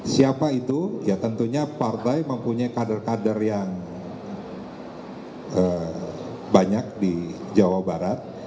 siapa itu ya tentunya partai mempunyai kader kader yang banyak di jawa barat